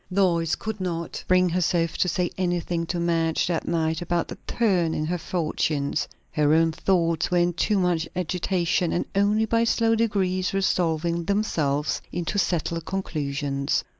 Lois could not bring herself to say anything to Madge that night about the turn in her fortunes. Her own thoughts were in too much agitation, and only by slow degrees resolving themselves into settled conclusions.